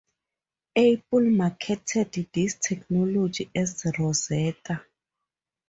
Apple marketed this technology as "Rosetta".